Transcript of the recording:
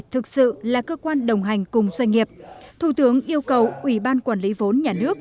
thực sự là cơ quan đồng hành cùng doanh nghiệp thủ tướng yêu cầu ủy ban quản lý vốn nhà nước